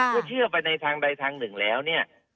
เชื่อไปในทางใดทางหนึ่งแล้วเนี่ย